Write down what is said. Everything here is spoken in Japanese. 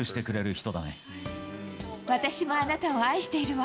私もあなたを愛しているわ。